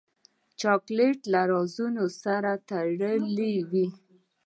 چاکلېټ له رازونو سره تړلی وي.